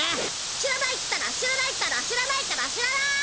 知らないったら知らないったら知らないったら知らない！